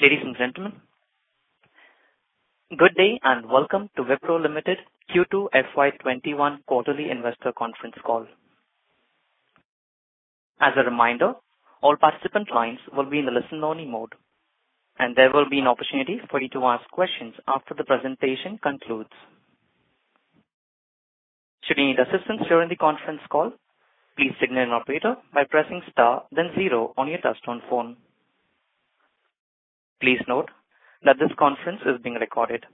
Ladies and gentlemen, good day and welcome to Wipro Limited Q2 FY21 Quarterly Investor Conference call. As a reminder, all participant lines will be in the listen-only mode, and there will be an opportunity for you to ask questions after the presentation concludes. Should you need assistance during the conference call, please signal an operator by pressing star, then zero on your touch-tone phone. Please note that this conference is being recorded.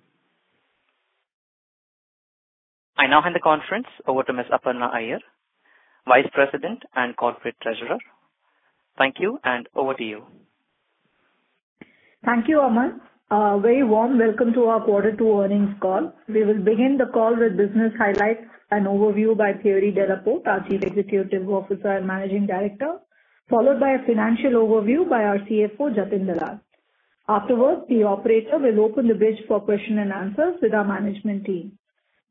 I now hand the conference over to Ms. Aparna Iyer, Vice President and Corporate Treasurer. Thank you, and over to you. Thank you, Aman. A very warm welcome to our Quarter Two earnings call. We will begin the call with business highlights and overview by Thierry Delaporte, our Chief Executive Officer and Managing Director, followed by a financial overview by our CFO, Jatin Dalal. Afterwards, the operator will open the bridge for questions and answers with our management team.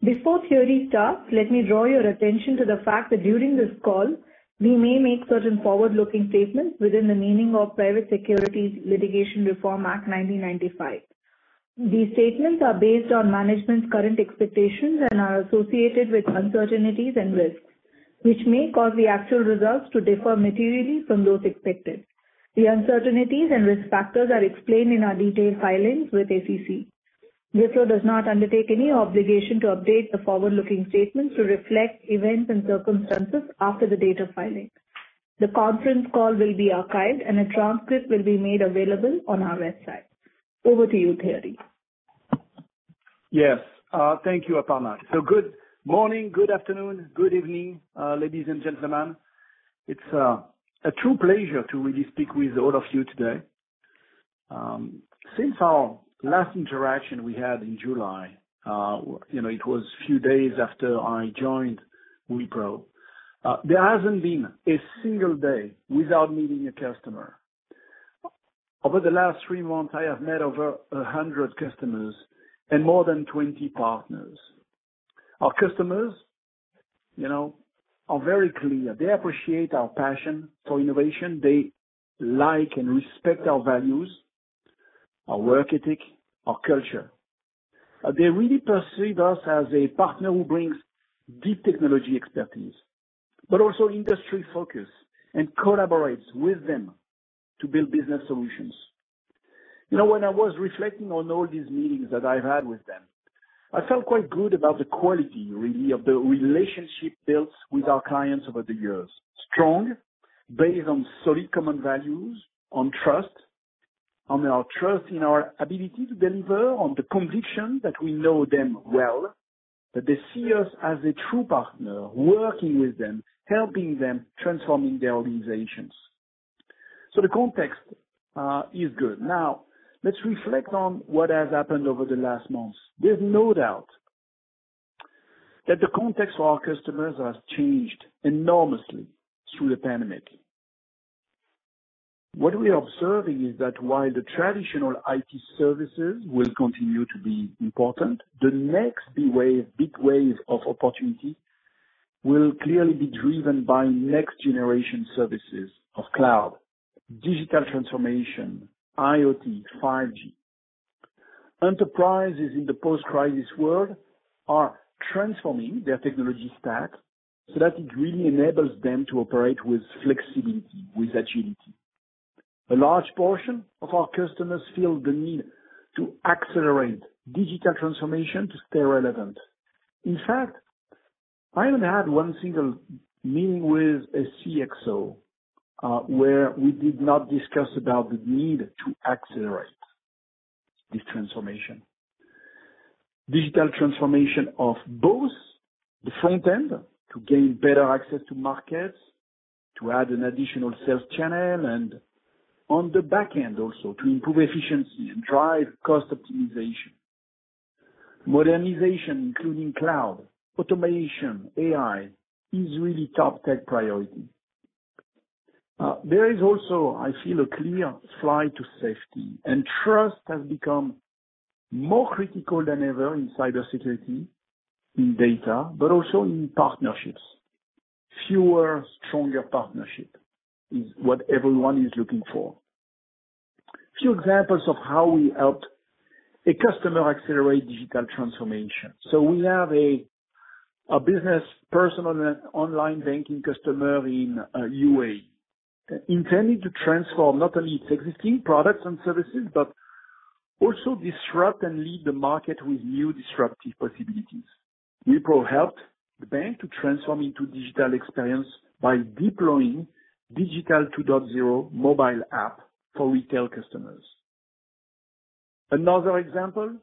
Before Thierry starts, let me draw your attention to the fact that during this call, we may make certain forward-looking statements within the meaning of Private Securities Litigation Reform Act 1995. These statements are based on management's current expectations and are associated with uncertainties and risks, which may cause the actual results to differ materially from those expected. The uncertainties and risk factors are explained in our detailed filings with SEC. Wipro does not undertake any obligation to update the forward-looking statements to reflect events and circumstances after the date of filing. The conference call will be archived, and a transcript will be made available on our website. Over to you, Thierry. Yes. Thank you, Aparna. So good morning, good afternoon, good evening, ladies and gentlemen. It's a true pleasure to really speak with all of you today. Since our last interaction we had in July, it was a few days after I joined Wipro, there hasn't been a single day without meeting a customer. Over the last three months, I have met over 100 customers and more than 20 partners. Our customers are very clear. They appreciate our passion for innovation. They like and respect our values, our work ethic, our culture. They really perceive us as a partner who brings deep technology expertise, but also industry focus, and collaborates with them to build business solutions. When I was reflecting on all these meetings that I've had with them, I felt quite good about the quality, really, of the relationship built with our clients over the years. Strong, based on solid common values, on trust, on our trust in our ability to deliver, on the conviction that we know them well, that they see us as a true partner working with them, helping them, transforming their organizations. So the context is good. Now, let's reflect on what has happened over the last months. There's no doubt that the context for our customers has changed enormously through the pandemic. What we are observing is that while the traditional IT services will continue to be important, the next big wave of opportunity will clearly be driven by next-generation services of cloud, digital transformation, IoT, 5G. Enterprises in the post-crisis world are transforming their technology stack so that it really enables them to operate with flexibility, with agility. A large portion of our customers feel the need to accelerate digital transformation to stay relevant. In fact, I haven't had one single meeting with a CXO where we did not discuss the need to accelerate this transformation. Digital transformation of both the front end to gain better access to markets, to add an additional sales channel, and on the back end also to improve efficiency and drive cost optimization. Modernization, including cloud, automation, AI, is really top tech priority. There is also, I feel, a clear flight to safety, and trust has become more critical than ever in cybersecurity, in data, but also in partnerships. Fewer, stronger partnerships is what everyone is looking for. A few examples of how we helped a customer accelerate digital transformation. We have a business, personal and online banking customer in the UAE, intending to transform not only its existing products and services, but also disrupt and lead the market with new disruptive possibilities. Wipro helped the bank to transform into a digital experience by deploying Digital 2.0 mobile app for retail customers. Another example,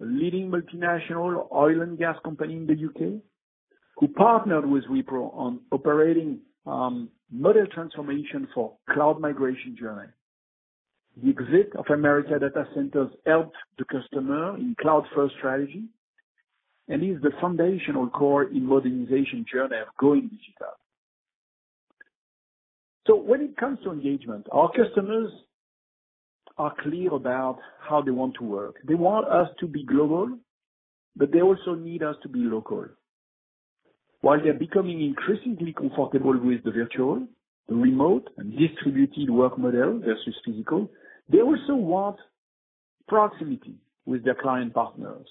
a leading multinational oil and gas company in the U.K., who partnered with Wipro on operating model transformation for cloud migration journey. The exit of American data centers helped the customer in cloud-first strategy and is the foundational core in modernization journey of going digital. So when it comes to engagement, our customers are clear about how they want to work. They want us to be global, but they also need us to be local. While they're becoming increasingly comfortable with the virtual, the remote, and distributed work model versus physical, they also want proximity with their client partners,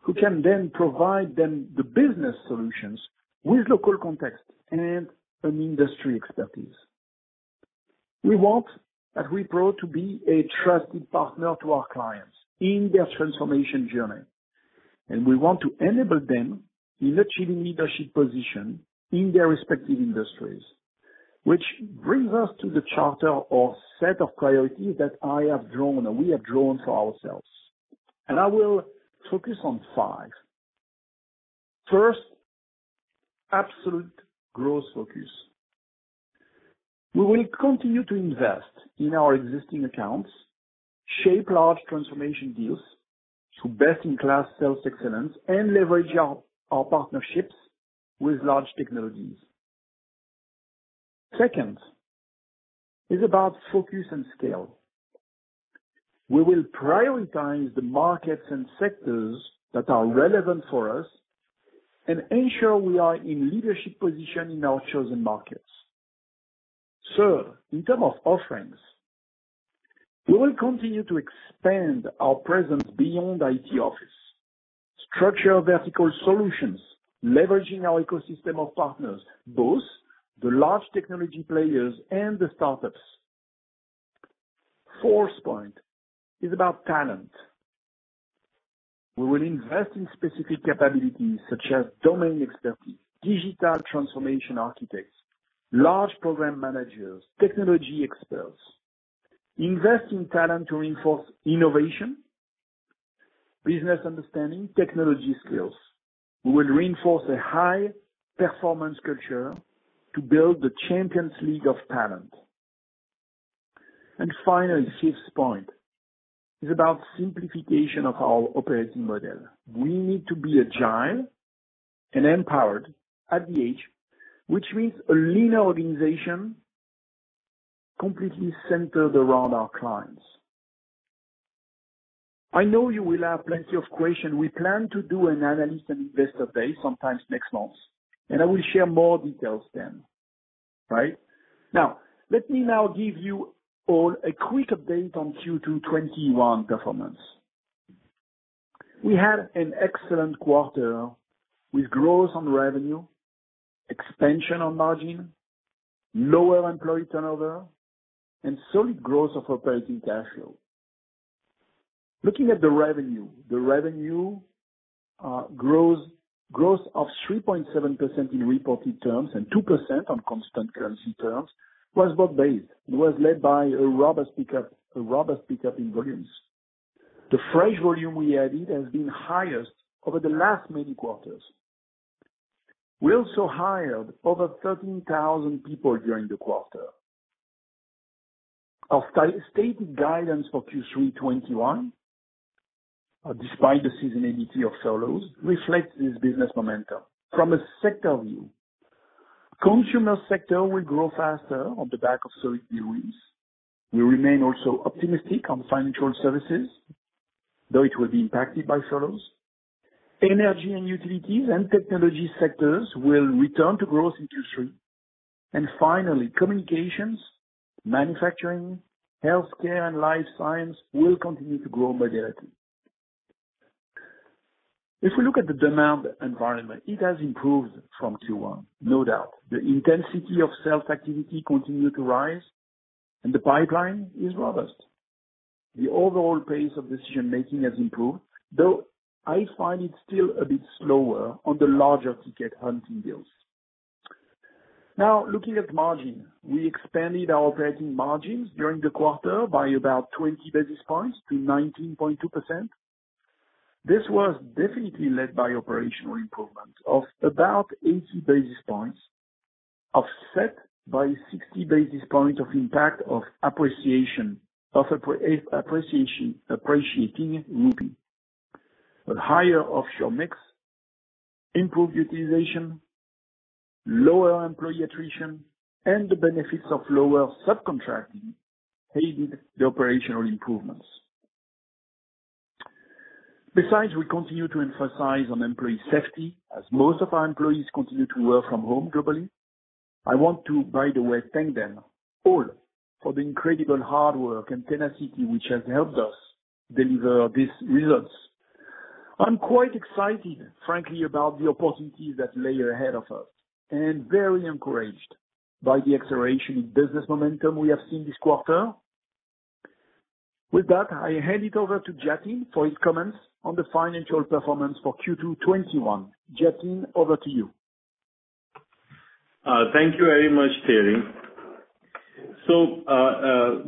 who can then provide them the business solutions with local context and industry expertise. We want Wipro to be a trusted partner to our clients in their transformation journey, and we want to enable them in achieving leadership positions in their respective industries, which brings us to the charter or set of priorities that I have drawn or we have drawn for ourselves, and I will focus on five. First, absolute growth focus. We will continue to invest in our existing accounts, shape large transformation deals to best-in-class sales excellence, and leverage our partnerships with large technologies. Second is about focus and scale. We will prioritize the markets and sectors that are relevant for us and ensure we are in leadership position in our chosen markets. Third, in terms of offerings, we will continue to expand our presence beyond IT services, structure vertical solutions, leveraging our ecosystem of partners, both the large technology players and the startups. Fourth point is about talent. We will invest in specific capabilities such as domain expertise, digital transformation architects, large program managers, technology experts. Invest in talent to reinforce innovation, business understanding, technology skills. We will reinforce a high-performance culture to build the Champions League of talent. And finally, fifth point is about simplification of our operating model. We need to be agile and empowered at all levels, which means a lean organization completely centered around our clients. I know you will have plenty of questions. We plan to do an analyst and investor day sometime next month, and I will share more details then. Right. Now, let me give you all a quick update on Q2 2021 performance. We had an excellent quarter with growth on revenue, expansion on margin, lower employee turnover, and solid growth of operating cash flow. Looking at the revenue, the revenue growth of 3.7% in reported terms and 2% on constant currency terms was book-based. It was led by a robust pickup in volumes. The fresh volume we added has been highest over the last many quarters. We also hired over 13,000 people during the quarter. Our stated guidance for Q3 2021, despite the seasonality of furloughs, reflects this business momentum. From a sector view, the consumer sector will grow faster on the back of solid news. We remain also optimistic on financial services, though it will be impacted by furloughs. Energy and utilities and technology sectors will return to growth in Q3. And finally, communications, manufacturing, healthcare, and life science will continue to grow moderately. If we look at the demand environment, it has improved from Q1, no doubt. The intensity of sales activity continued to rise, and the pipeline is robust. The overall pace of decision-making has improved, though I find it still a bit slower on the larger ticket hunting deals. Now, looking at margin, we expanded our operating margins during the quarter by about 20 basis points to 19.2%. This was definitely led by operational improvements of about 80 basis points, offset by 60 basis points of impact of appreciating rupee. A higher offshore mix improved utilization, lower employee attrition, and the benefits of lower subcontracting aided the operational improvements. Besides, we continue to emphasize on employee safety, as most of our employees continue to work from home globally. I want to, by the way, thank them all for the incredible hard work and tenacity which has helped us deliver these results. I'm quite excited, frankly, about the opportunities that lay ahead of us and very encouraged by the acceleration in business momentum we have seen this quarter. With that, I hand it over to Jatin for his comments on the financial performance for Q2 2021. Jatin, over to you. Thank you very much, Thierry. So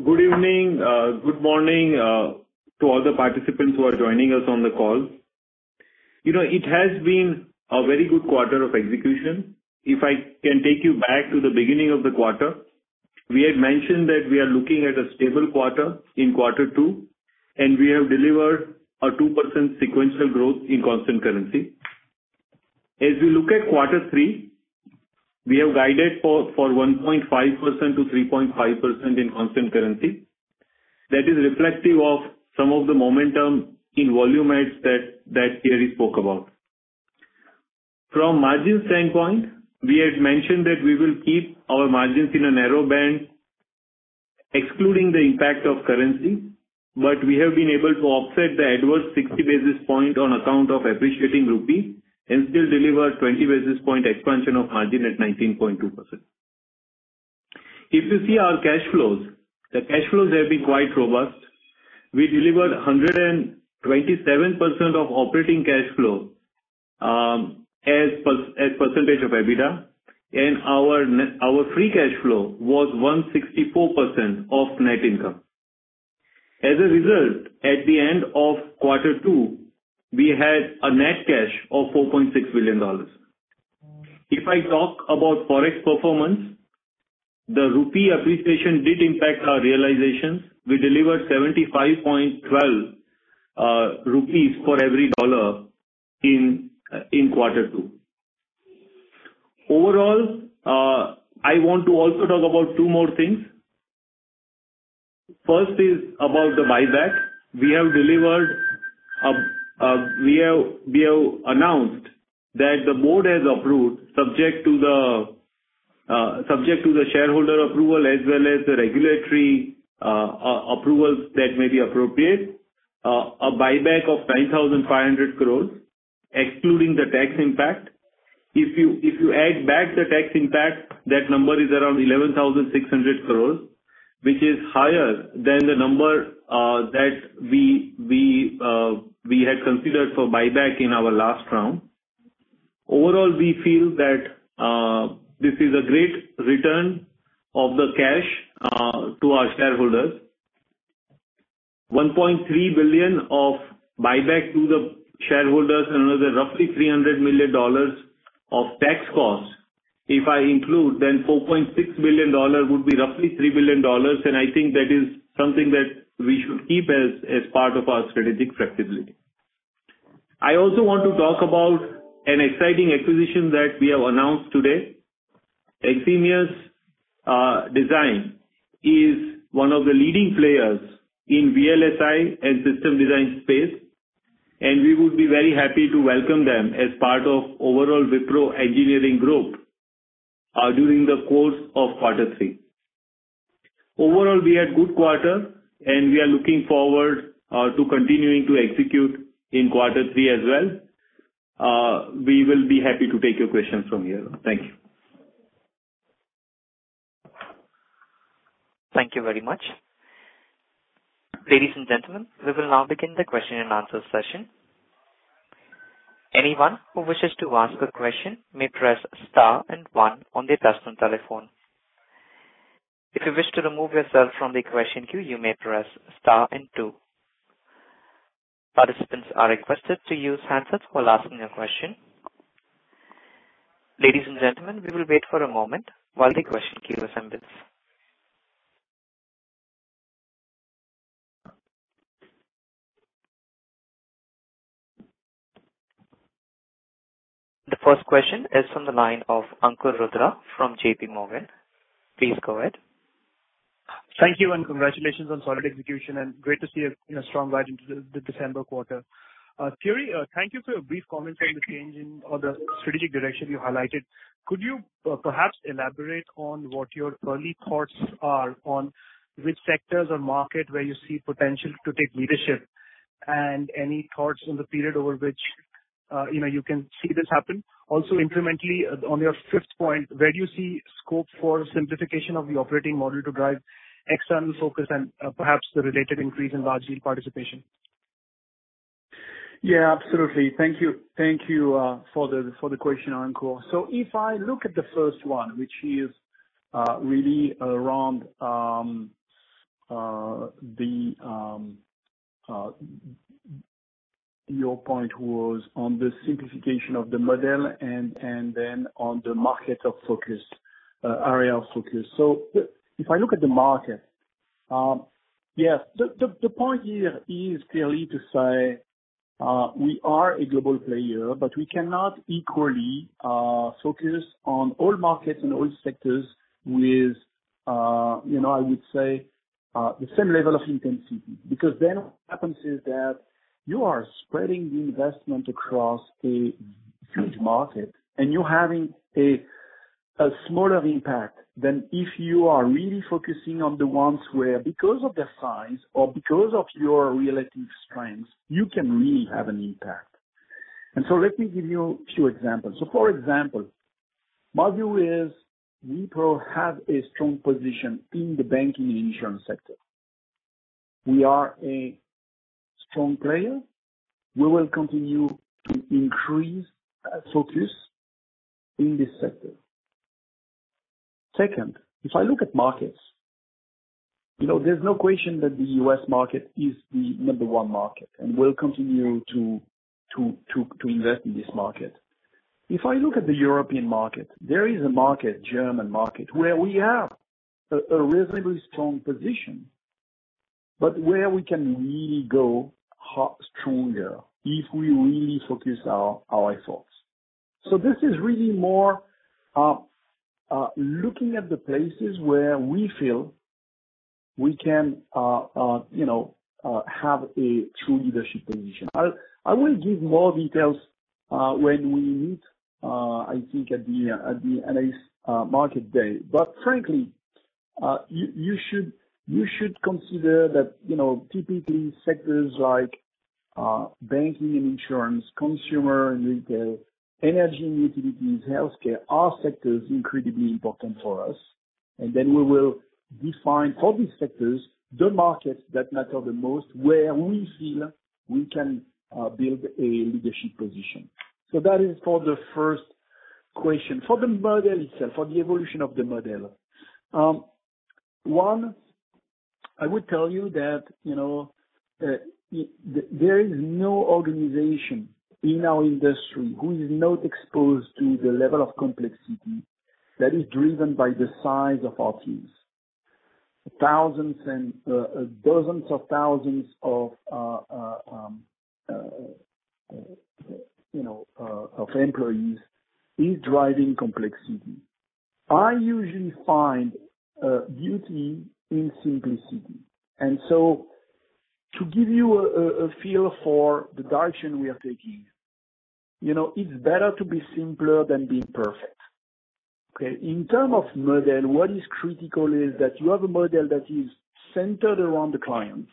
good evening, good morning to all the participants who are joining us on the call. It has been a very good quarter of execution. If I can take you back to the beginning of the quarter, we had mentioned that we are looking at a stable quarter in quarter two, and we have delivered a 2% sequential growth in constant currency. As we look at quarter three, we have guided for 1.5% to 3.5% in constant currency. That is reflective of some of the momentum in volume adds that Thierry spoke about. From a margin standpoint, we had mentioned that we will keep our margins in a narrow band, excluding the impact of currency, but we have been able to offset the adverse 60 basis point on account of appreciating rupee and still deliver 20 basis point expansion of margin at 19.2%. If you see our cash flows, the cash flows have been quite robust. We delivered 127% of operating cash flow as percentage of EBITDA, and our free cash flow was 164% of net income. As a result, at the end of quarter two, we had a net cash of $4.6 billion. If I talk about forex performance, the rupee appreciation did impact our realizations. We delivered 75.12 rupees for every dollar in quarter two. Overall, I want to also talk about two more things. First is about the buyback. We have announced that the board has approved, subject to the shareholder approval as well as the regulatory approvals that may be appropriate, a buyback of 9,500 crores, excluding the tax impact. If you add back the tax impact, that number is around 11,600 crores, which is higher than the number that we had considered for buyback in our last round. Overall, we feel that this is a great return of the cash to our shareholders. $1.3 billion of buyback to the shareholders and another roughly $300 million of tax cost. If I include, then $4.6 billion would be roughly $3 billion, and I think that is something that we should keep as part of our strategic flexibility. I also want to talk about an exciting acquisition that we have announced today. Eximius Design is one of the leading players in VLSI and system design space, and we would be very happy to welcome them as part of overall Wipro engineering group during the course of quarter three. Overall, we had a good quarter, and we are looking forward to continuing to execute in quarter three as well. We will be happy to take your questions from here. Thank you. Thank you very much. Ladies and gentlemen, we will now begin the question and answer session. Anyone who wishes to ask a question may press star and one on their personal telephone. If you wish to remove yourself from the question queue, you may press star and two. Participants are requested to use handsets while asking a question. Ladies and gentlemen, we will wait for a moment while the question queue assembles. The first question is from the line of Ankur Rudra from J.P. Morgan. Please go ahead. Thank you, and congratulations on solid execution, and great to see you in a strong ride into the December quarter. Thierry, thank you for your brief comments on the change in all the strategic direction you highlighted. Could you perhaps elaborate on what your early thoughts are on which sectors or markets where you see potential to take leadership, and any thoughts on the period over which you can see this happen? Also, incrementally, on your fifth point, where do you see scope for simplification of the operating model to drive external focus and perhaps the related increase in large deal participation? Yeah, absolutely. Thank you for the question, Ankur. So if I look at the first one, which is really around the, your point was on the simplification of the model and then on the market of focus, area of focus. So if I look at the market, yes, the point here is clearly to say we are a global player, but we cannot equally focus on all markets and all sectors with, I would say, the same level of intensity. Because then what happens is that you are spreading the investment across a huge market, and you're having a smaller impact than if you are really focusing on the ones where, because of their size or because of your relative strength, you can really have an impact. And so let me give you a few examples. So for example, my view is Wipro has a strong position in the banking and insurance sector. We are a strong player. We will continue to increase focus in this sector. Second, if I look at markets, there's no question that the U.S. market is the number one market and will continue to invest in this market. If I look at the European market, there is a market, German market, where we have a reasonably strong position, but where we can really go stronger if we really focus our efforts. So this is really more looking at the places where we feel we can have a true leadership position. I will give more details when we meet, I think, at the investor day. But frankly, you should consider that typically sectors like banking and insurance, consumer and retail, energy and utilities, healthcare are sectors incredibly important for us. And then we will define for these sectors the markets that matter the most where we feel we can build a leadership position. So that is for the first question. For the model itself, for the evolution of the model, one, I would tell you that there is no organization in our industry who is not exposed to the level of complexity that is driven by the size of our teams. Thousands and dozens of thousands of employees is driving complexity. I usually find beauty in simplicity. And so to give you a feel for the direction we are taking, it's better to be simpler than being perfect. Okay? In terms of model, what is critical is that you have a model that is centered around the client,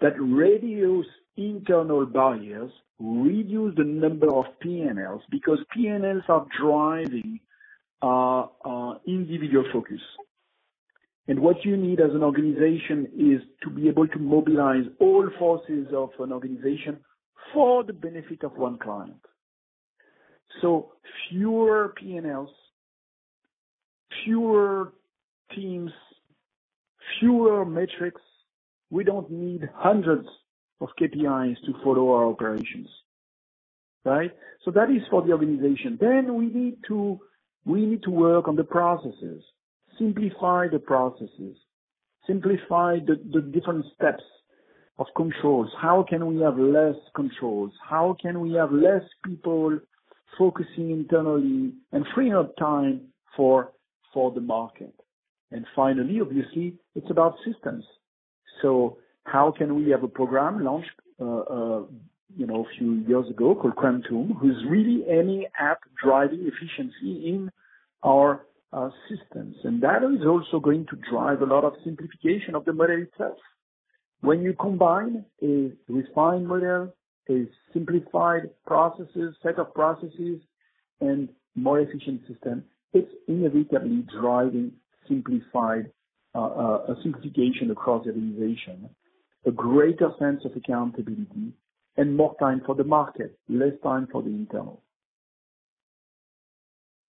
that reduces internal barriers, reduces the number of P&Ls because P&Ls are driving individual focus. And what you need as an organization is to be able to mobilize all forces of an organization for the benefit of one client. So fewer P&Ls, fewer teams, fewer metrics. We don't need hundreds of KPIs to follow our operations. Right? So that is for the organization. Then we need to work on the processes, simplify the processes, simplify the different steps of controls. How can we have less controls? How can we have less people focusing internally and freeing up time for the market? And finally, obviously, it's about systems. So how can we have a program launched a few years ago called Quantum, who's really aiming at driving efficiency in our systems? And that is also going to drive a lot of simplification of the model itself. When you combine a refined model, a simplified set of processes, and more efficient systems, it's inevitably driving simplification across the organization, a greater sense of accountability, and more time for the market, less time for the internal.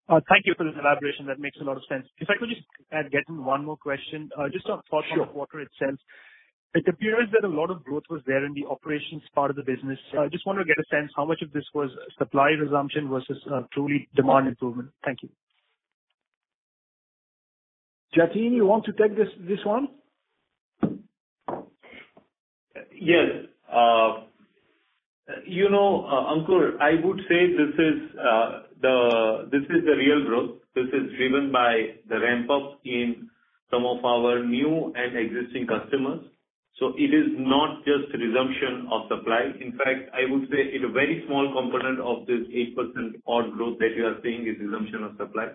Thank you for this elaboration. That makes a lot of sense. If I could just get one more question, just on quarter itself. It appears that a lot of growth was there in the operations part of the business. I just want to get a sense how much of this was supply resumption versus truly demand improvement. Thank you. Jatin, you want to take this one? Yes. Ankur, I would say this is the real growth. This is driven by the ramp-up in some of our new and existing customers. So it is not just resumption of supply. In fact, I would say a very small component of this 8% odd growth that you are seeing is resumption of supply.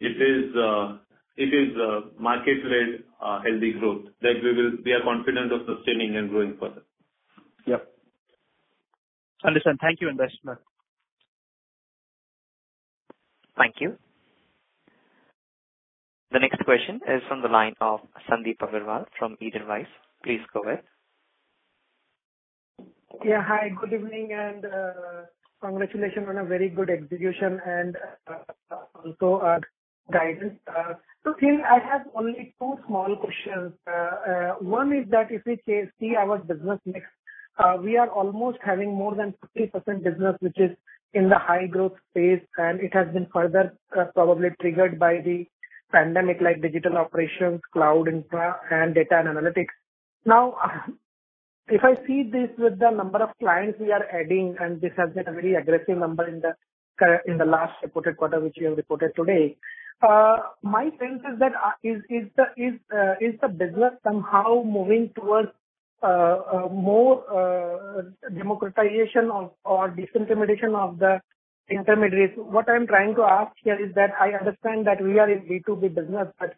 It is market-led healthy growth that we are confident of sustaining and growing further. Yep. Understood. Thank you, investor. Thank you. The next question is from the line of Sandeep Agarwal from Edelweiss. Please go ahead. Yeah, hi. Good evening and congratulations on a very good execution and also guidance. So Thierry, I have only two small questions. One is that if we see our business mix, we are almost having more than 50% business which is in the high growth space, and it has been further probably triggered by the pandemic, like digital operations, cloud, infra, and data and analytics. Now, if I see this with the number of clients we are adding, and this has been a very aggressive number in the last reported quarter which we have reported today, my sense is that is the business somehow moving towards more democratization or disintermediation of the intermediaries? What I'm trying to ask here is that I understand that we are in B2B business, but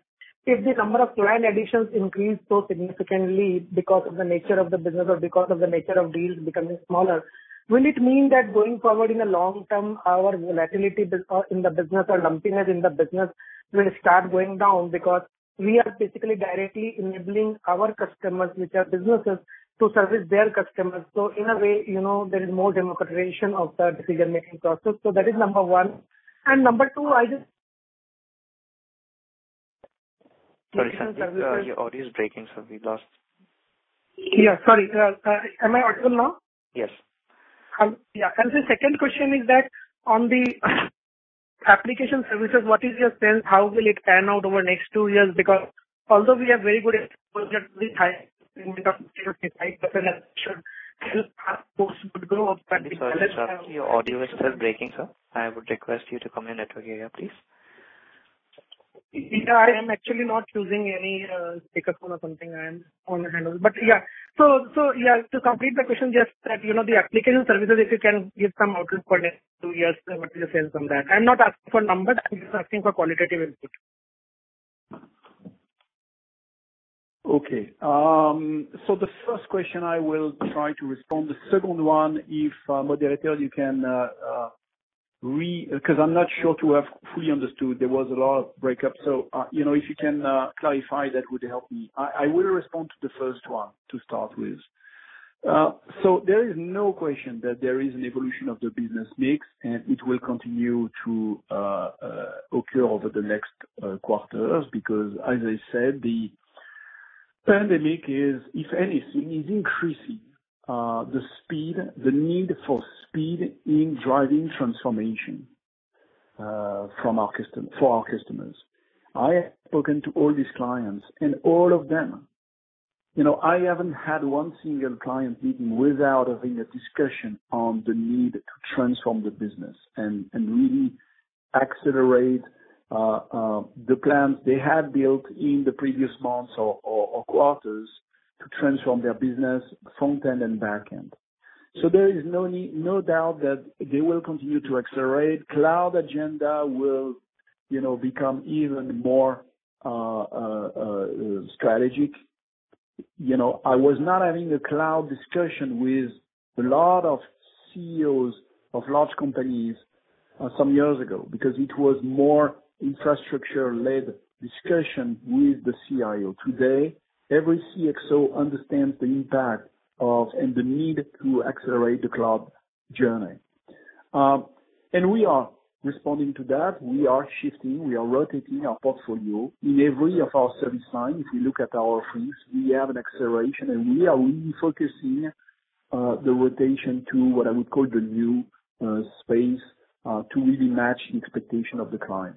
if the number of client additions increase so significantly because of the nature of the business or because of the nature of deals becoming smaller, will it mean that going forward in the long term, our volatility in the business or lumpiness in the business will start going down because we are basically directly enabling our customers, which are businesses, to service their customers? So in a way, there is more democratization of the decision-making process. So that is number one. And number two, I just. Sorry, sorry. Your audio is breaking, so we lost. Yeah, sorry. Am I audible now? Yes. Yeah. And the second question is that on the application services, what is your sense? How will it pan out over the next two years? Because although we have very good exposure to the high segment of data space, 5% should help our post-good growth. Your audio is still breaking, sir. I would request you to come in at your area, please. Yeah, I am actually not using any speakerphone or something. I am on the handle. But yeah. So yeah, to complete the question, just that the application services, if you can give some outlook for the next two years, what's your sense on that? I'm not asking for numbers. I'm just asking for qualitative input. Okay. So the first question, I will try to respond. The second one, if the moderator, you can read because I'm not sure to have fully understood. There was a lot of breakup. So if you can clarify, that would help me. I will respond to the first one to start with. So there is no question that there is an evolution of the business mix, and it will continue to occur over the next quarters because, as I said, the pandemic is, if anything, is increasing the speed, the need for speed in driving transformation for our customers. I have spoken to all these clients, and all of them, I haven't had one single client meeting without having a discussion on the need to transform the business and really accelerate the plans they had built in the previous months or quarters to transform their business, front-end and back-end. So there is no doubt that they will continue to accelerate. Cloud agenda will become even more strategic. I was not having a cloud discussion with a lot of CEOs of large companies some years ago because it was more infrastructure-led discussion with the CIO. Today, every CXO understands the impact and the need to accelerate the cloud journey. And we are responding to that. We are shifting. We are rotating our portfolio. In every of our service lines, if you look at our fleets, we have an acceleration, and we are really focusing the rotation to what I would call the new space to really match the expectation of the client.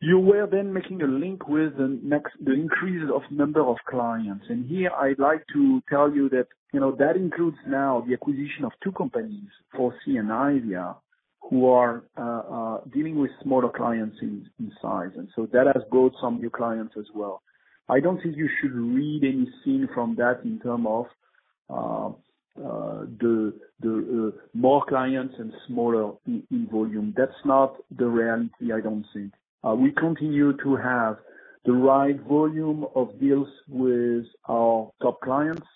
You were then making a link with the increase of number of clients. Here, I'd like to tell you that that includes now the acquisition of two companies, 4C and IVIA, who are dealing with smaller clients in size. So that has brought some new clients as well. I don't think you should read anything from that in terms of the more clients and smaller in volume. That's not the reality, I don't think. We continue to have the right volume of deals with our top clients,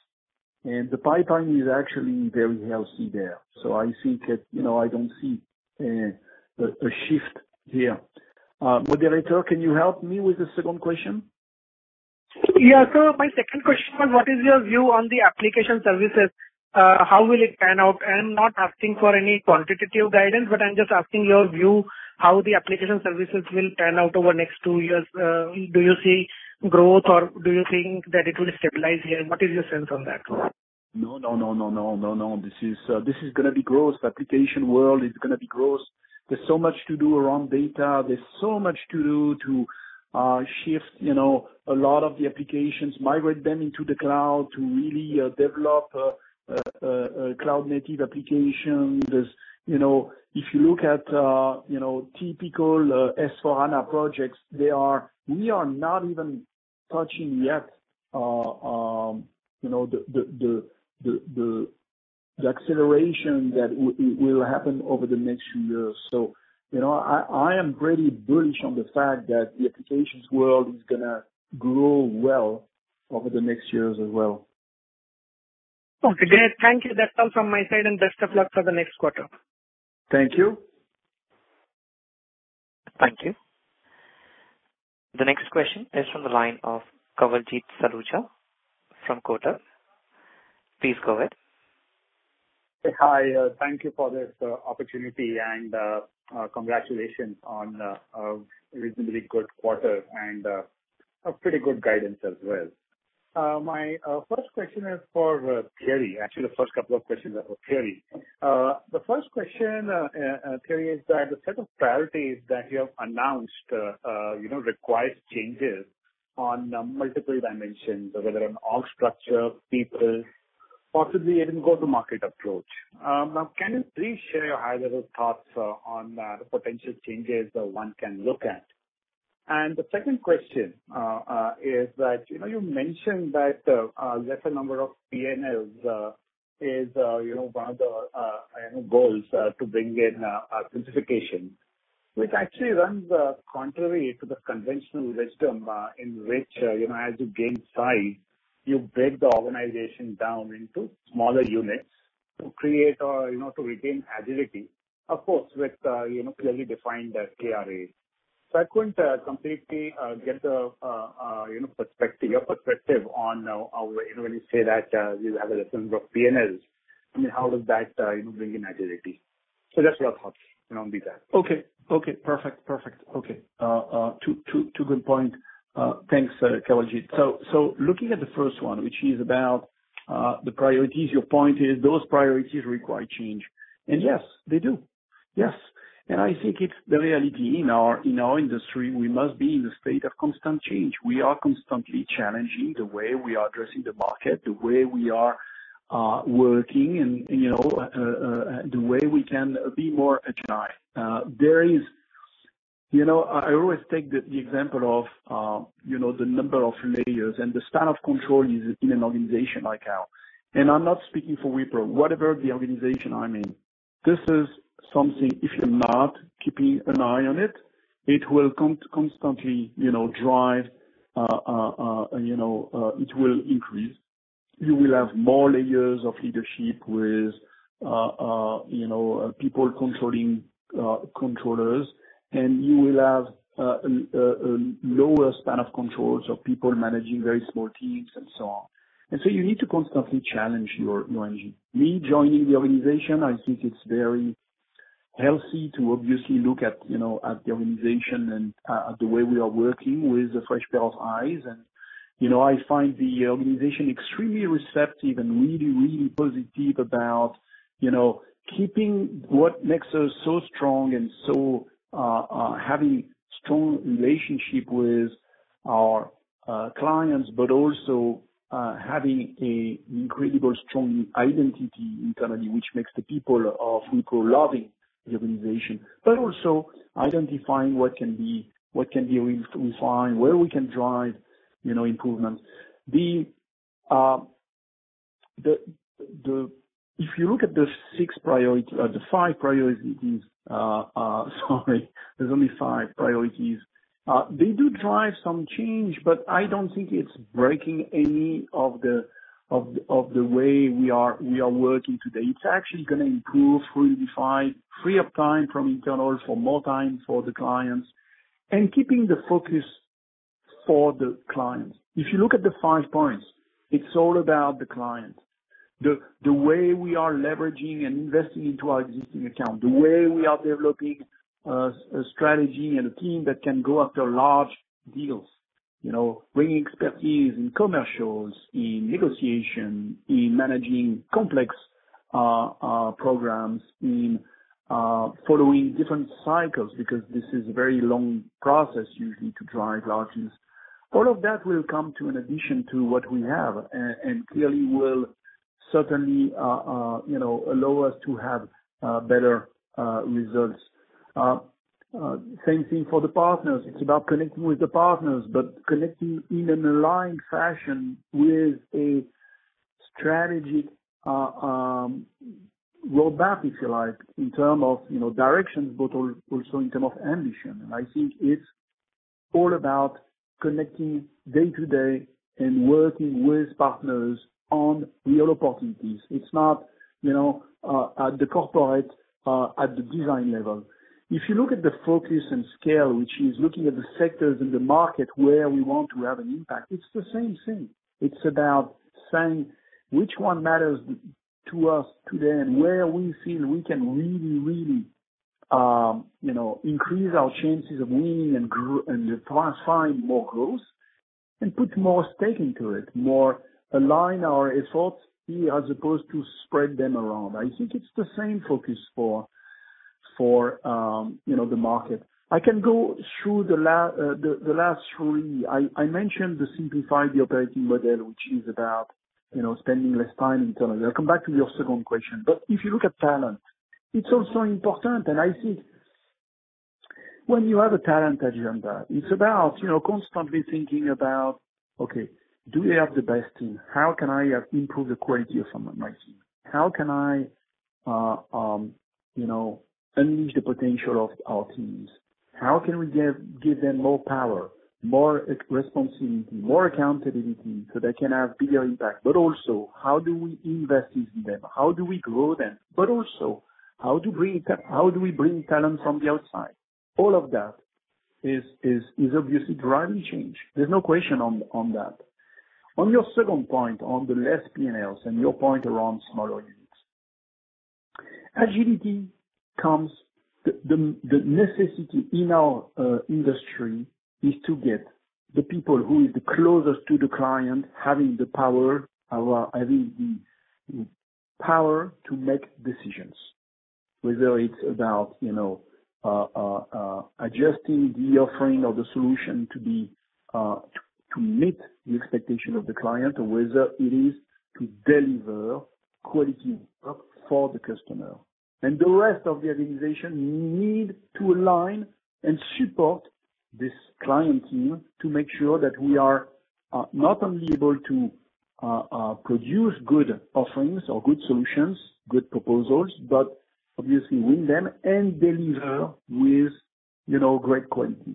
and the pipeline is actually very healthy there. I think I don't see a shift here. Moderator, can you help me with the second question? Yeah. So my second question was, what is your view on the application services? How will it pan out? I'm not asking for any quantitative guidance, but I'm just asking your view how the application services will pan out over the next two years. Do you see growth, or do you think that it will stabilize here? What is your sense on that? No, no, no, no, no, no, no. This is going to be huge. The application world is going to be huge. There's so much to do around data. There's so much to do to shift a lot of the applications, migrate them into the cloud to really develop cloud-native applications. If you look at typical S/4HANA projects, we are not even touching yet the acceleration that will happen over the next few years, so I am pretty bullish on the fact that the applications world is going to grow well over the next years as well. Okay. Thank you. That's all from my side, and best of luck for the next quarter. Thank you. Thank you. The next question is from the line of Kawaljeet Saluja from Kotak. Please go ahead. Hi. Thank you for this opportunity and congratulations on a reasonably good quarter and pretty good guidance as well. My first question is for Thierry. Actually, the first couple of questions are for Thierry. The first question, Thierry, is that the set of priorities that you have announced requires changes on multiple dimensions, whether on org structure, people, possibly even go-to-market approach. Now, can you please share your high-level thoughts on the potential changes one can look at? And the second question is that you mentioned that a lesser number of P&Ls is one of the goals to bring in simplification, which actually runs contrary to the conventional wisdom in which, as you gain size, you break the organization down into smaller units to create or to retain agility, of course, with clearly defined KRAs. So I couldn't completely get your perspective on when you say that you have a lesser number of P&Ls. I mean, how does that bring in agility? So that's what I thought on behalf. Okay. Okay. Perfect. Perfect. Okay. Two good points. Thanks, Kawaljeet. So looking at the first one, which is about the priorities, your point is those priorities require change. And yes, they do. Yes. And I think it's the reality in our industry. We must be in a state of constant change. We are constantly challenging the way we are addressing the market, the way we are working, and the way we can be more agile. I always take the example of the number of layers and the span of control in an organization like ours. And I'm not speaking for Wipro. Whatever the organization I'm in, this is something if you're not keeping an eye on it, it will constantly drive. It will increase. You will have more layers of leadership with people controlling controllers, and you will have a lower span of control of people managing very small teams and so on, and so you need to constantly challenge your engine. Me joining the organization, I think it's very healthy to obviously look at the organization and at the way we are working with a fresh pair of eyes. And I find the organization extremely receptive and really, really positive about keeping what makes us so strong and so having a strong relationship with our clients, but also having an incredible strong identity internally, which makes the people of Wipro loving the organization, but also identifying what can be refined, where we can drive improvement. If you look at the six priorities, the five priorities, sorry, there's only five priorities. They do drive some change, but I don't think it's breaking any of the way we are working today. It's actually going to improve free up time from internal for more time for the clients and keeping the focus for the clients. If you look at the five points, it's all about the clients, the way we are leveraging and investing into our existing accounts, the way we are developing a strategy and a team that can go after large deals, bringing expertise in commercials, in negotiation, in managing complex programs, in following different cycles because this is a very long process usually to drive large deals. All of that will come as an addition to what we have and clearly will certainly allow us to have better results. Same thing for the partners. It's about connecting with the partners, but connecting in an aligned fashion with a strategic roadmap, if you like, in terms of directions, but also in terms of ambition. And I think it's all about connecting day-to-day and working with partners on real opportunities. It's not at the corporate, at the design level. If you look at the focus and scale, which is looking at the sectors and the market where we want to have an impact, it's the same thing. It's about saying which one matters to us today and where we feel we can really, really increase our chances of winning and find more growth and put more stake into it, more align our efforts here as opposed to spread them around. I think it's the same focus for the market. I can go through the last three. I mentioned the simplified operating model, which is about spending less time internally. I'll come back to your second question. But if you look at talent, it's also important. And I think when you have a talent agenda, it's about constantly thinking about, okay, do we have the best team? How can I improve the quality of my team? How can I unleash the potential of our teams? How can we give them more power, more responsibility, more accountability so they can have bigger impact? But also, how do we invest in them? How do we grow them? But also, how do we bring talent from the outside? All of that is obviously driving change. There's no question on that. On your second point on the less P&Ls and your point around smaller units, agility comes from the necessity in our industry is to get the people who are the closest to the client having the power, having the power to make decisions, whether it's about adjusting the offering or the solution to meet the expectation of the client or whether it is to deliver quality work for the customer, and the rest of the organization need to align and support this client team to make sure that we are not only able to produce good offerings or good solutions, good proposals, but obviously win them and deliver with great quality.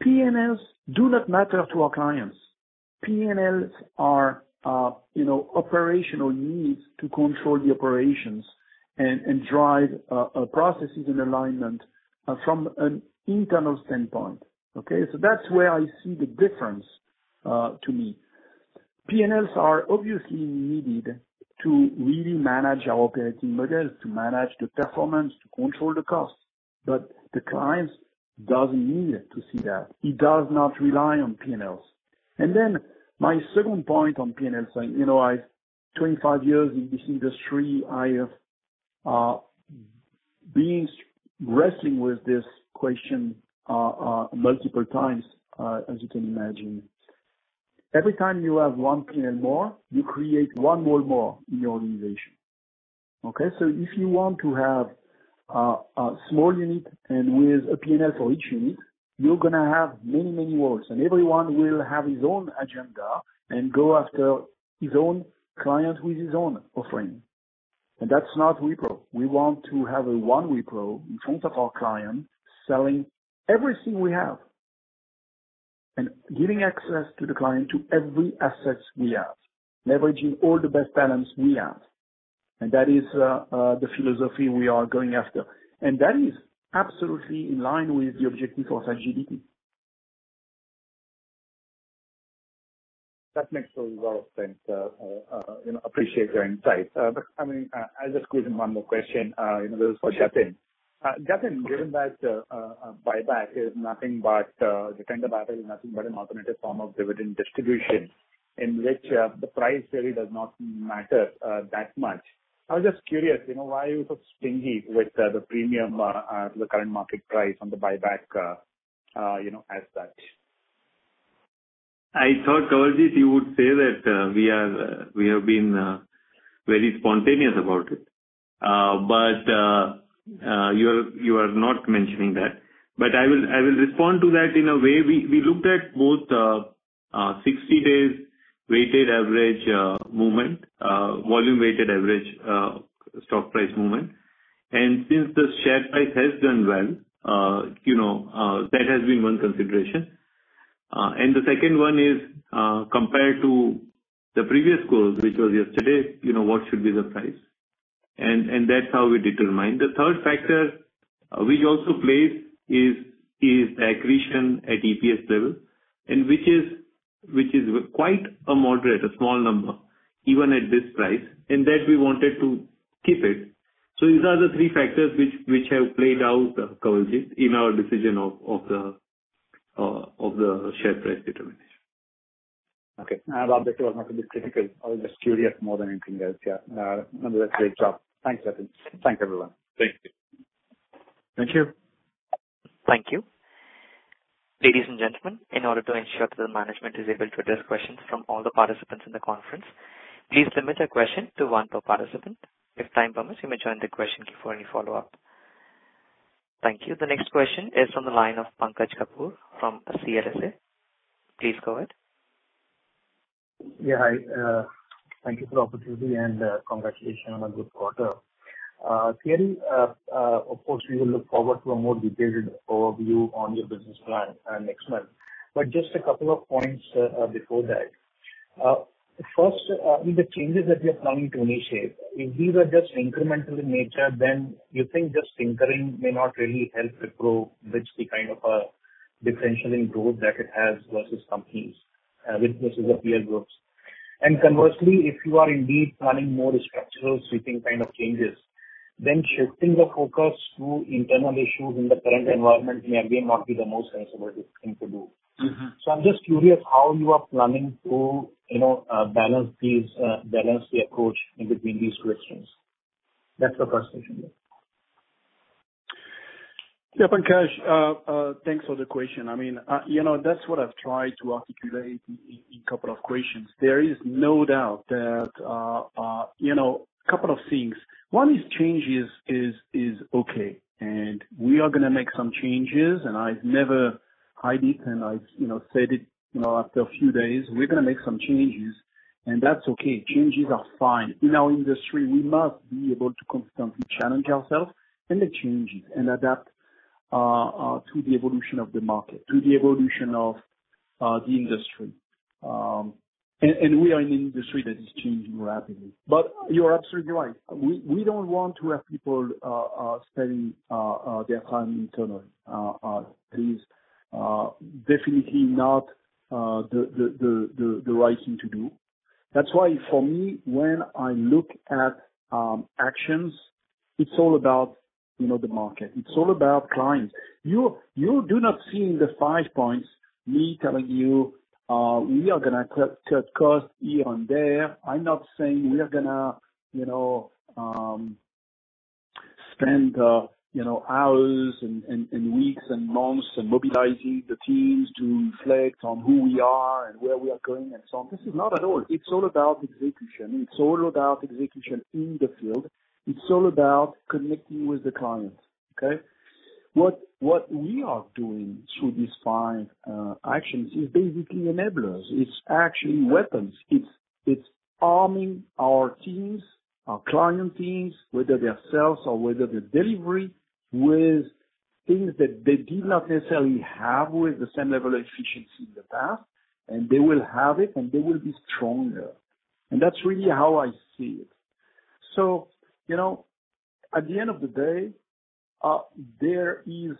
P&Ls do not matter to our clients. P&Ls are operational needs to control the operations and drive processes and alignment from an internal standpoint. Okay? So that's where I see the difference to me. P&Ls are obviously needed to really manage our operating models, to manage the performance, to control the cost. But the client doesn't need to see that. He does not rely on P&Ls. And then my second point on P&Ls, I've 25 years in this industry. I have been wrestling with this question multiple times, as you can imagine. Every time you have one P&L more, you create one wall more in your organization. Okay? So if you want to have a small unit and with a P&L for each unit, you're going to have many, many walls. And everyone will have his own agenda and go after his own client with his own offering. And that's not Wipro. We want to have a one Wipro in front of our client selling everything we have and giving access to the client to every asset we have, leveraging all the best talents we have. And that is the philosophy we are going after. And that is absolutely in line with the objective of agility. That makes a lot of sense. I appreciate your insight. But I mean, I just quickly one more question. This is for Jatin. Jatin, given that buyback is nothing but the tender battle, nothing but an alternative form of dividend distribution in which the price really does not matter that much. I was just curious why you were so stingy with the premium to the current market price on the buyback aspect. I thought, Kawaljeet, you would say that we have been very spontaneous about it. But you are not mentioning that. But I will respond to that in a way. We looked at both 60-day weighted average movement, volume-weighted average stock price movement. Since the share price has done well, that has been one consideration. The second one is compared to the previous call, which was yesterday, what should be the price? And that's how we determined. The third factor which also played is the accretion at EPS level, which is quite a moderate, a small number, even at this price, and that we wanted to keep it. So these are the three factors which have played out, Kawaljeet, in our decision of the share price determination. Okay. I'm glad this was not too difficult. I was just curious more than anything else. Yeah. No, that's a great job. Thanks, Jatin. Thanks, everyone. Thank you. Thank you. Thank you. Ladies and gentlemen, in order to ensure that the management is able to address questions from all the participants in the conference, please limit your question to one per participant. If time permits, you may join the question queue for any follow-up. Thank you. The next question is from the line of Pankaj Kapoor from CLSA. Please go ahead. Yeah. Hi. Thank you for the opportunity and congratulations on a good quarter. Thierry, of course, we will look forward to a more detailed overview on your business plan next month. But just a couple of points before that. First, I mean, the changes that you're planning to initiate, if these are just incremental in nature, then you think just tinkering may not really help to grow with the kind of differential in growth that it has versus companies within the peer groups. And conversely, if you are indeed planning more structural-sweeping kind of changes, then shifting the focus to internal issues in the current environment may again not be the most sensible thing to do. So I'm just curious how you are planning to balance the approach in between these two extremes. That's the first question. Yeah. Pankaj, thanks for the question. I mean, that's what I've tried to articulate in a couple of questions. There is no doubt that a couple of things. One is change is okay, and we are going to make some changes. I've never hid it, and I've said it after a few days; we're going to make some changes, and that's okay. Changes are fine. In our industry, we must be able to constantly challenge ourselves and make changes and adapt to the evolution of the market, to the evolution of the industry. We are in an industry that is changing rapidly, but you're absolutely right. We don't want to have people spending their time internally. It is definitely not the right thing to do. That's why, for me, when I look at actions, it's all about the market. It's all about clients. You do not see in the five points me telling you, "We are going to cut costs here and there." I'm not saying we are going to spend hours and weeks and months and mobilizing the teams to reflect on who we are and where we are going and so on. This is not at all. It's all about execution. It's all about execution in the field. It's all about connecting with the clients. Okay? What we are doing through these five actions is basically enablers. It's actually weapons. It's arming our teams, our client teams, whether they're sales or whether they're delivery, with things that they did not necessarily have with the same level of efficiency in the past. And they will have it, and they will be stronger. And that's really how I see it. So at the end of the day, there is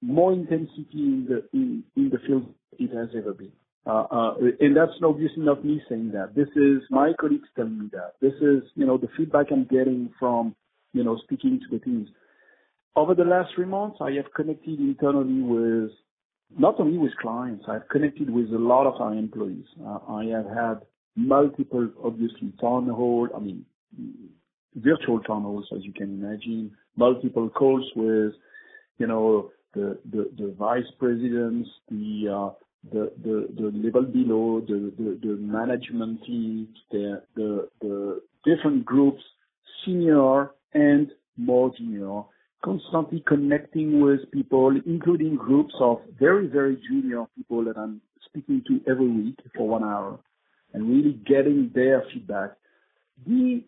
more intensity in the field than it has ever been. And that's obviously not me saying that. This is my colleagues telling me that. This is the feedback I'm getting from speaking to the teams. Over the last three months, I have connected internally with not only clients. I've connected with a lot of our employees. I have had multiple, obviously, town hall, I mean, virtual town halls, as you can imagine, multiple calls with the vice presidents, the level below, the management team, the different groups, senior and more junior, constantly connecting with people, including groups of very, very junior people that I'm speaking to every week for one hour and really getting their feedback. The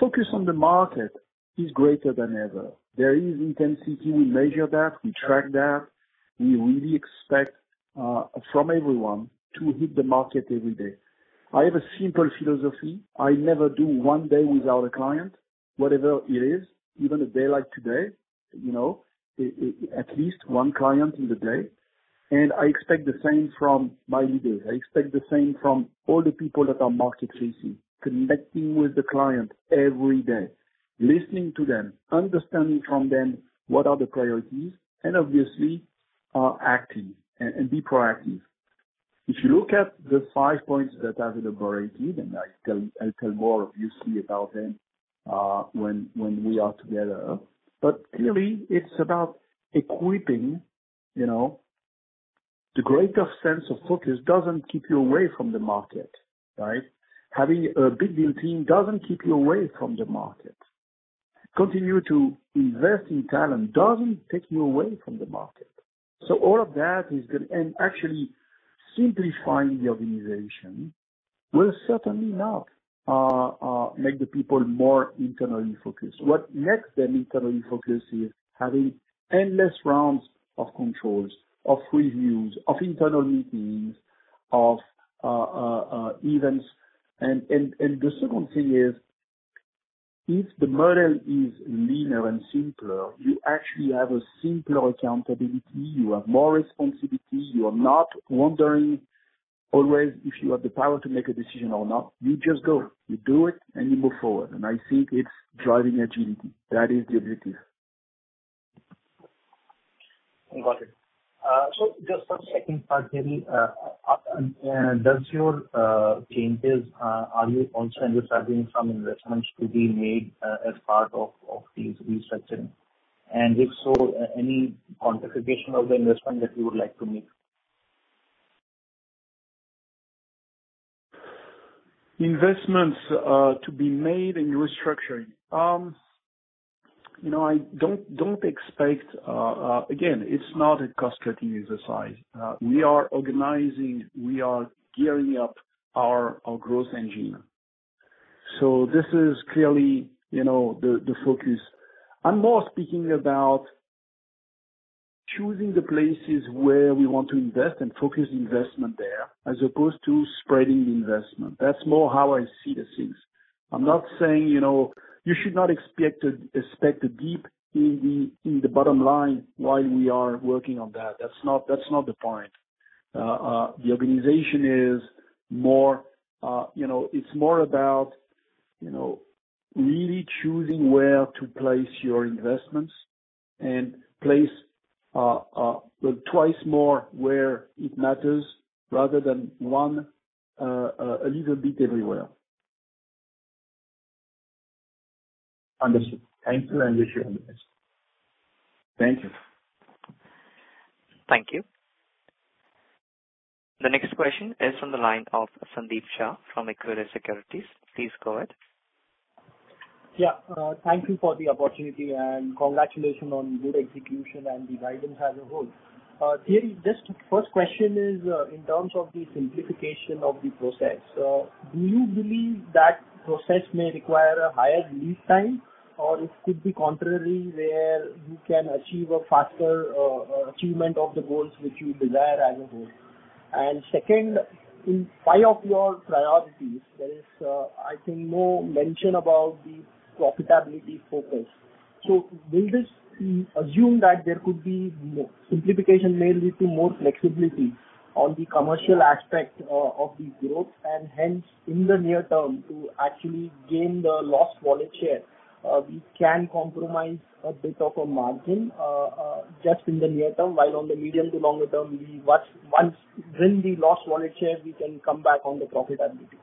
focus on the market is greater than ever. There is intensity. We measure that. We track that. We really expect from everyone to hit the market every day. I have a simple philosophy. I never do one day without a client, whatever it is, even a day like today, at least one client in the day. And I expect the same from my leaders. I expect the same from all the people that are market-facing, connecting with the client every day, listening to them, understanding from them what are the priorities, and obviously acting and be proactive. If you look at the five points that I've elaborated, and I'll tell more as you see about them when we are together. But clearly, it's about equipping. The greater sense of focus doesn't keep you away from the market, right? Having a big team doesn't keep you away from the market. Continue to invest in talent doesn't take you away from the market. So all of that is going to end. Actually, simplifying the organization will certainly not make the people more internally focused. What makes them internally focused is having endless rounds of controls, of reviews, of internal meetings, of events. And the second thing is, if the model is leaner and simpler, you actually have a simpler accountability. You have more responsibility. You are not wondering always if you have the power to make a decision or not. You just go. You do it, and you move forward. And I think it's driving agility. That is the objective. I got it. So just one second, Thierry. Does your changes are you also understanding some investments to be made as part of these restructuring? And if so, any quantification of the investment that you would like to make? Investments to be made in restructuring? I don't expect, again, it's not a cost-cutting exercise. We are organizing. We are gearing up our growth engine, so this is clearly the focus. I'm more speaking about choosing the places where we want to invest and focus the investment there as opposed to spreading the investment. That's more how I see the things. I'm not saying you should not expect a dip in the bottom line while we are working on that. That's not the point. The organization is more. It's more about really choosing where to place your investments and place twice more where it matters rather than one a little bit everywhere. Understood. Thank you. I appreciate your information. Thank you. Thank you. The next question is from the line of Sandeep Shah from Equirus Securities. Please go ahead. Yeah. Thank you for the opportunity and congratulations on good execution and the guidance as a whole. Thierry, just the first question is in terms of the simplification of the process. Do you believe that process may require a higher lead time or it could be contrary where you can achieve a faster achievement of the goals which you desire as a whole? And second, in five of your priorities, there is, I think, no mention about the profitability focus. So will this assume that there could be simplification mainly to more flexibility on the commercial aspect of the growth and hence in the near term to actually gain the lost wallet share? We can compromise a bit of a margin just in the near term while on the medium to longer term, once we win the lost wallet share, we can come back on the profitability.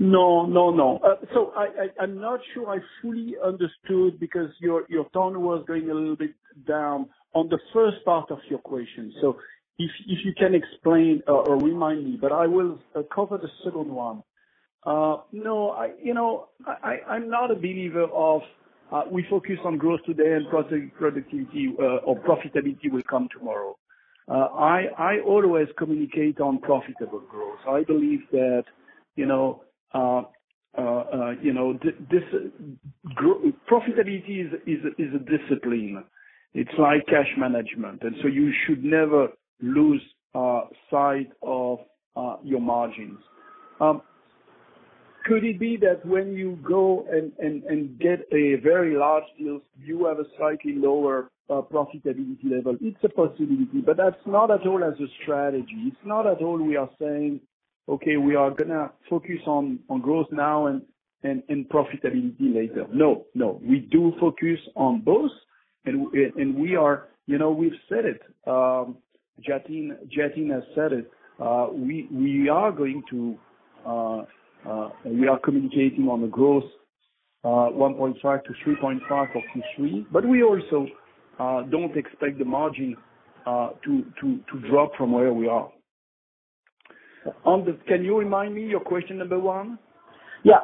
No, no, no. So I'm not sure I fully understood because your tone was going a little bit down on the first part of your question. So if you can explain or remind me, but I will cover the second one. No, I'm not a believer of we focus on growth today and productivity or profitability will come tomorrow. I always communicate on profitable growth. I believe that this profitability is a discipline. It's like cash management. And so you should never lose sight of your margins. Could it be that when you go and get a very large deal, you have a slightly lower profitability level? It's a possibility, but that's not at all as a strategy. It's not at all we are saying, "Okay, we are going to focus on growth now and profitability later." No, no. We do focus on both. And we are. We've said it. Jatin has said it. We are going to communicate on the growth 1.5-3.5 or to 3, but we also don't expect the margin to drop from where we are. Can you remind me your question number one? Yeah.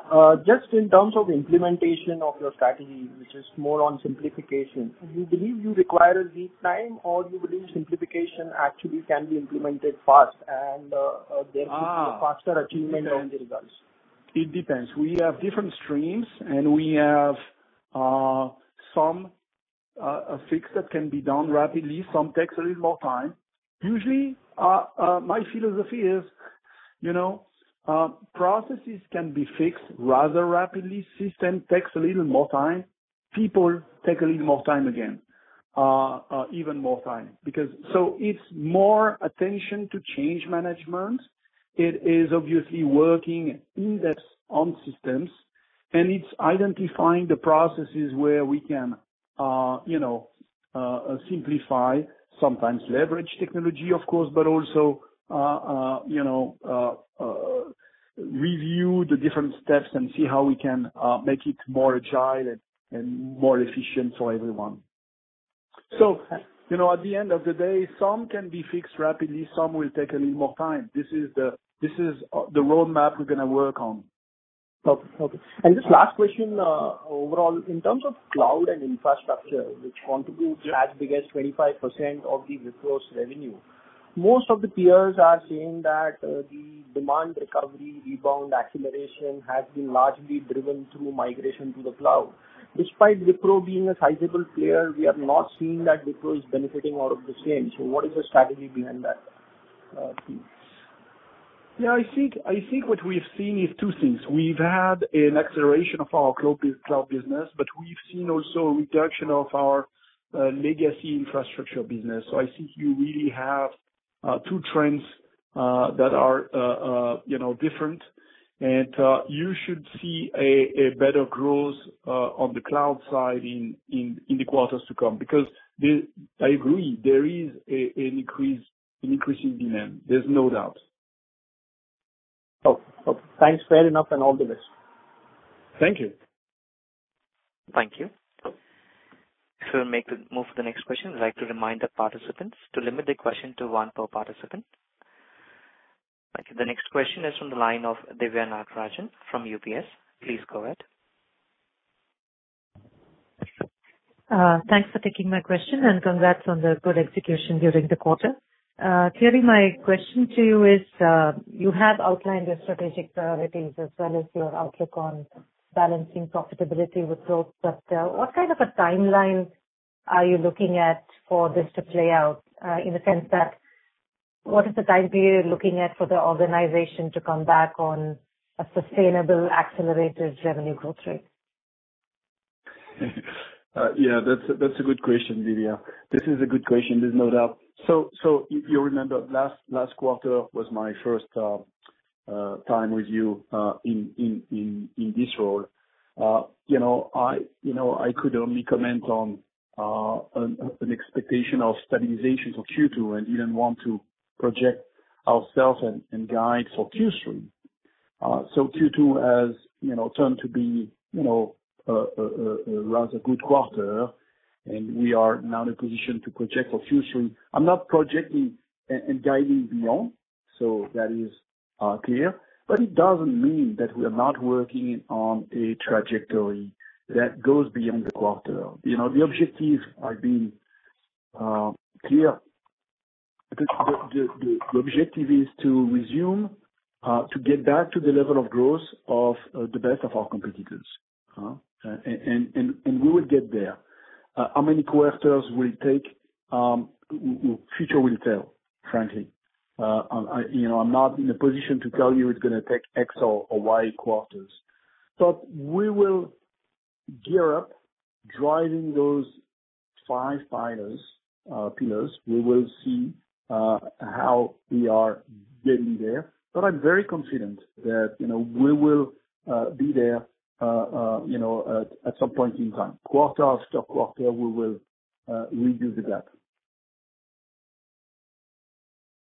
Just in terms of implementation of your strategy, which is more on simplification, do you believe you require a lead time or do you believe simplification actually can be implemented fast and there could be a faster achievement of the results? It depends. We have different streams, and we have some fix that can be done rapidly. Some takes a little more time. Usually, my philosophy is processes can be fixed rather rapidly. System takes a little more time. People take a little more time again, even more time. So it's more attention to change management. It is obviously working in-depth on systems, and it's identifying the processes where we can simplify, sometimes leverage technology, of course, but also review the different steps and see how we can make it more agile and more efficient for everyone. So at the end of the day, some can be fixed rapidly. Some will take a little more time. This is the roadmap we're going to work on. Okay. And just last question overall. In terms of cloud and infrastructure, which contributes as big as 25% of the Wipro's revenue, most of the peers are saying that the demand recovery, rebound, acceleration has been largely driven through migration to the cloud. Despite Wipro being a sizable player, we are not seeing that Wipro is benefiting out of the same. So what is the strategy behind that? Yeah. I think what we've seen is two things. We've had an acceleration of our cloud business, but we've seen also a reduction of our legacy infrastructure business. So I think you really have two trends that are different. And you should see a better growth on the cloud side in the quarters to come because I agree. There is an increasing demand. There's no doubt. Okay. Thanks very much and all the best. Thank you. Thank you. So we'll make the move to the next question. I'd like to remind the participants to limit the question to one per participant. The next question is from the line of Diviya Nagarajan from UBS. Please go ahead. Thanks for taking my question and congrats on the good execution during the quarter. Thierry, my question to you is you have outlined your strategic priorities as well as your outlook on balancing profitability with growth. But what kind of a timeline are you looking at for this to play out in the sense that what is the time period you're looking at for the organization to come back on a sustainable accelerated revenue growth rate? Yeah. That's a good question, Diviya. This is a good question. There's no doubt. So you remember last quarter was my first time with you in this role. I could only comment on an expectation of stabilization for Q2 and didn't want to project ourselves and guide for Q3. So Q2 has turned to be a rather good quarter, and we are now in a position to project for Q3. I'm not projecting and guiding beyond, so that is clear. But it doesn't mean that we are not working on a trajectory that goes beyond the quarter. The objectives have been clear. The objective is to resume, to get back to the level of growth of the best of our competitors. And we will get there. How many quarters will it take? The future will tell, frankly. I'm not in a position to tell you it's going to take X or Y quarters. But we will gear up, driving those five pillars. We will see how we are getting there. But I'm very confident that we will be there at some point in time. Quarter after quarter, we will reduce the gap.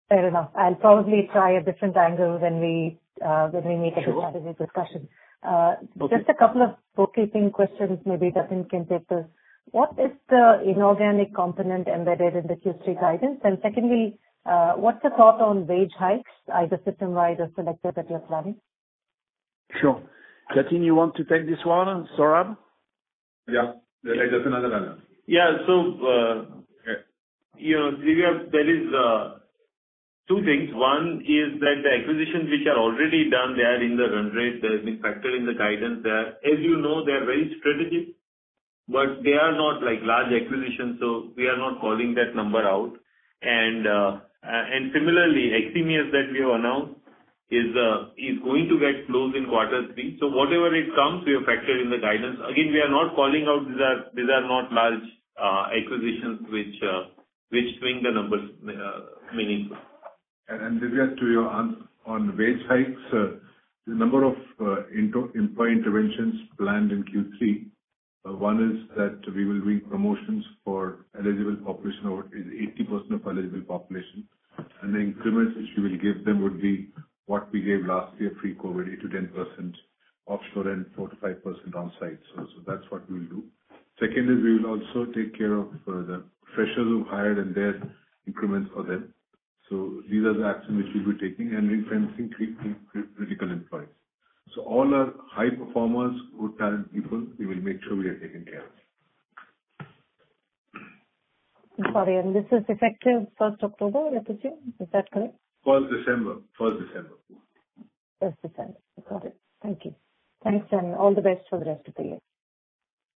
Fair enough. I'll probably try a different angle when we meet at the strategy discussion. Just a couple of bookkeeping questions, maybe Jatin can take this. What is the inorganic component embedded in the Q3 guidance? And secondly, what's the thought on wage hikes, either system-wide or selective that you're planning? Sure. Jatin, you want to take this one, Saurabh? Yeah. Definitely. Yeah, so there are two things. One is that the acquisitions which are already done, they are in the run rate. They have been factored in the guidance there. As you know, they are very strategic, but they are not large acquisitions. So we are not calling that number out. And similarly, Eximius that we have announced is going to get closed in quarter three. So whatever it comes, we have factored in the guidance. Again, we are not calling out. These are not large acquisitions which swing the numbers meaningfully. And Diviya, to your answer on wage hikes, the number of employee interventions planned in Q3. One is that we will bring promotions for eligible population over 80% of eligible population. And the increments which we will give them would be what we gave last year pre-COVID, 8%-10% offshore and 4%-5% onsite. So that's what we will do. Second is we will also take care of the freshers we've hired and their increments for them. So these are the actions which we'll be taking and reinforcing critical employees. So all our high performers, good talent people, we will make sure we are taking care of. I'm sorry, and this is effective 1st October, I presume? Is that correct? 1st December. 1st December. 1st December. Got it. Thank you. Thanks, and all the best for the rest of the year.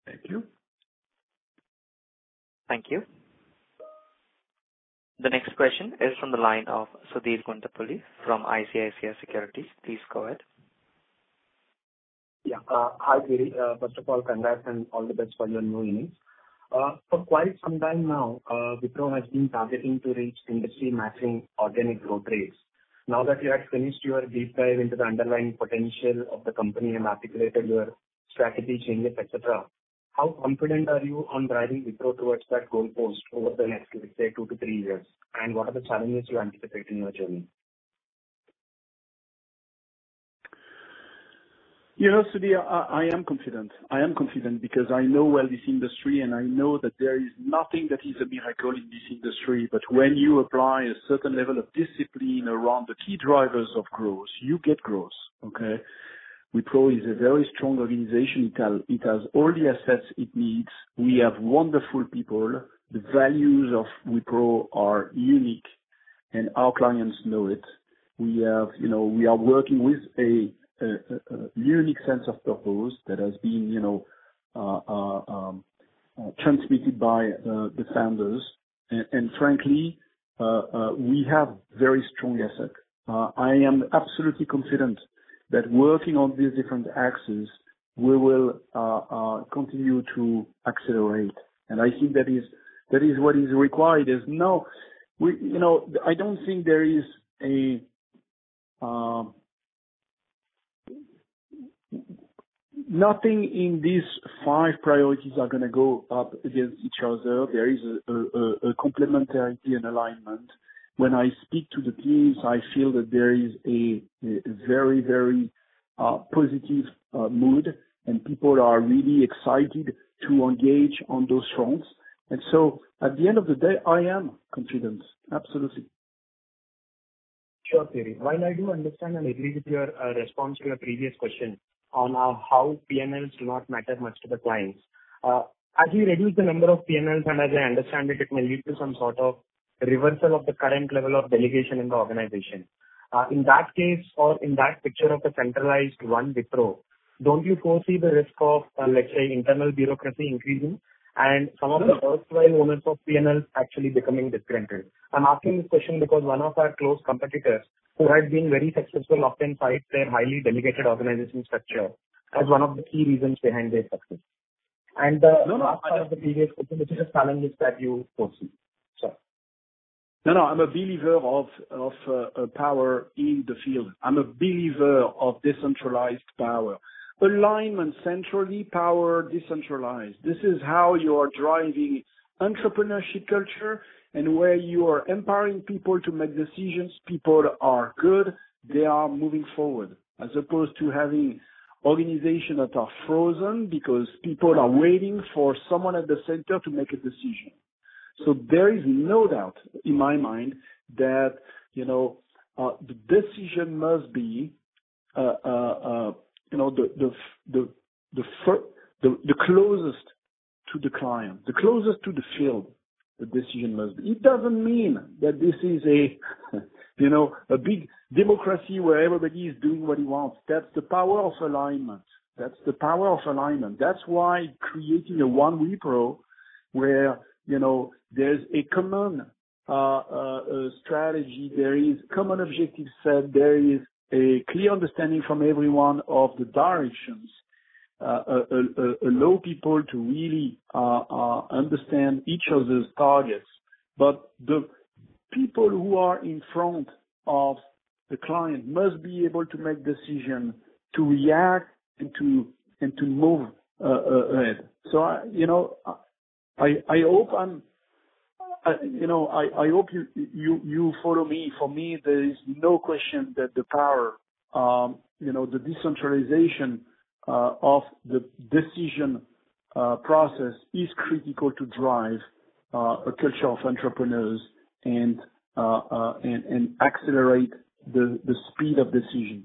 Thank you. Thank you. The next question is from the line of Sudheer Guntupalli from ICICI Securities. Please go ahead. Yeah. Hi, Thierry. First of all, congrats and all the best for your new innings. For quite some time now, Wipro has been targeting to reach industry-matching organic growth rates. Now that you have finished your deep dive into the underlying potential of the company and articulated your strategy changes, etc., how confident are you on driving Wipro towards that goal post over the next, let's say, two to three years? And what are the challenges you anticipate in your journey? Yeah, Sudheer, I am confident. I am confident because I know well this industry, and I know that there is nothing that is a miracle in this industry. But when you apply a certain level of discipline around the key drivers of growth, you get growth, okay? Wipro is a very strong organization. It has all the assets it needs. We have wonderful people. The values of Wipro are unique, and our clients know it. We are working with a unique sense of purpose that has been transmitted by the founders. And frankly, we have very strong assets. I am absolutely confident that working on these different axes, we will continue to accelerate. And I think that is what is required. I don't think there is a nothing in these five priorities are going to go up against each other. There is a complementarity and alignment. When I speak to the teams, I feel that there is a very, very positive mood, and people are really excited to engage on those fronts. And so at the end of the day, I am confident. Absolutely. Sure, Thierry. While I do understand and agree with your response to your previous question on how P&Ls do not matter much to the clients, as we reduce the number of P&Ls, and as I understand it, it may lead to some sort of reversal of the current level of delegation in the organization. In that case or in that picture of the centralized one, Wipro, don't you foresee the risk of, let's say, internal bureaucracy increasing and some of the worthwhile owners of P&Ls actually becoming disgruntled? I'm asking this question because one of our close competitors who had been very successful often cites their highly delegated organization structure as one of the key reasons behind their success. And as part of the previous question, which is a challenge that you foresee, sir. No, no. I'm a believer of power in the field. I'm a believer of decentralized power. Alignment centrally, power decentralized. This is how you are driving entrepreneurship culture and where you are empowering people to make decisions. People are good. They are moving forward as opposed to having organizations that are frozen because people are waiting for someone at the center to make a decision. So there is no doubt in my mind that the decision must be the closest to the client, the closest to the field, the decision must be. It doesn't mean that this is a big democracy where everybody is doing what he wants. That's the power of alignment. That's the power of alignment. That's why creating a one Wipro where there's a common strategy, there is a common objective set, there is a clear understanding from everyone of the directions allow people to really understand each other's targets. But the people who are in front of the client must be able to make decisions to react and to move ahead. So I hope you follow me. For me, there is no question that the power, the decentralization of the decision process is critical to drive a culture of entrepreneurs and accelerate the speed of decision.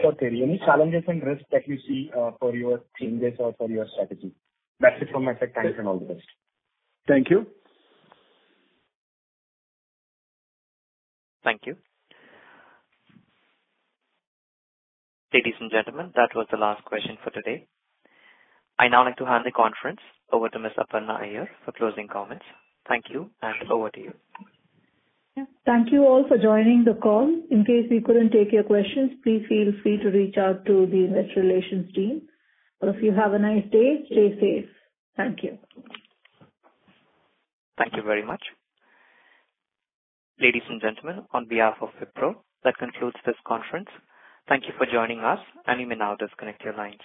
Sure, Thierry. Any challenges and risks that you see for your changes or for your strategy? That's it from my side. Thanks and all the best. Thank you. Thank you. Ladies and gentlemen, that was the last question for today. I now like to hand the conference over to Ms. Aparna Iyer for closing comments. Thank you, and over to you. Thank you all for joining the call. In case we couldn't take your questions, please feel free to reach out to the investor relations team. But if you have a nice day, stay safe. Thank you. Thank you very much. Ladies and gentlemen, on behalf of Wipro, that concludes this conference. Thank you for joining us, and you may now disconnect your lines.